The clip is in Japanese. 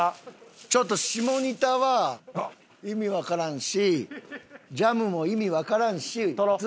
ちょっと下仁田は意味わからんしジャムも意味わからんし。